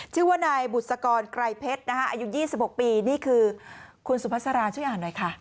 ชื่อว่านายบุษกรไกรเพชรอายุ๒๖ปีนี่คือคุณสุภาษาราช่วยอ่านหน่อยค่ะ